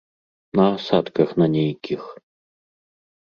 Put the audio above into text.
На асадках на нейкіх.